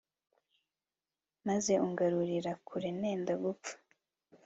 maze ungarurira kure nenda gupfa